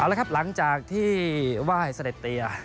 เอาละครับหลังจากที่ไหว้เสด็จเตีย